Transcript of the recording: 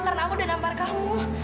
karena aku udah nampak kamu